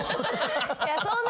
いやそんな。